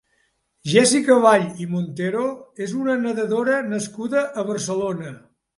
Jessica Vall i Montero és una nedadora nascuda a Barcelona.